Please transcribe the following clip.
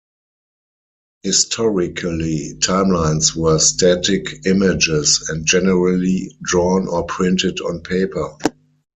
Historically, timelines were static images, and generally drawn or printed on paper.